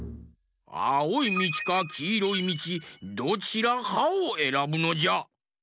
あおいみちかきいろいみちどちらかをえらぶのじゃ。